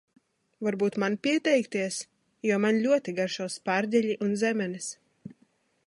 Varbūt man pieteikties? Jo man ļoti garšo sparģeļi un zemenes.